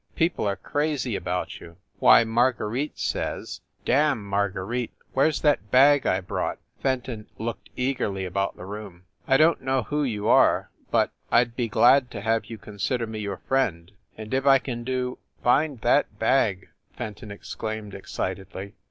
Peo ple are crazy about you ! Why, Marguerite says " "Damn Marguerite! Where s that bag I brought?" Fenton looked eagerly about the room. "I don t know who you are, but I d be glad to have you consider me your friend, and if I can do " "Find that bag!" Fenton exclaimed excitedly.